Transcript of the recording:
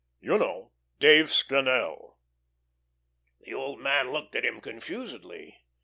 You know, Dave Scannel." The old man looked at him confusedly.